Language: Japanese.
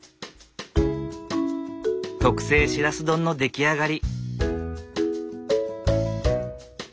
特製しらす丼の出来上がり。